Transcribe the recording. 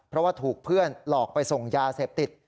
เพราะว่าถูกเพื่อนหลอกไปส่งยาเสพติด